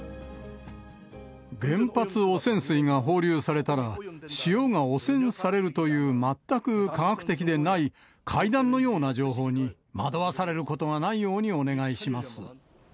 原発汚染水が放流されたら、塩が汚染されるという全く科学的でない怪談のような情報に、惑わされることがないようにお願いします。